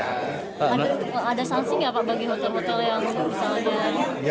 ada sansing ya pak bagi hotel hotel yang misalnya